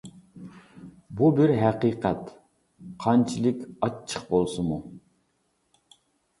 بۇ بىر ھەقىقەت، قانچىلىك ئاچچىق بولسىمۇ.